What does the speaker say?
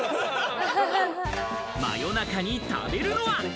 夜中に食べるのは？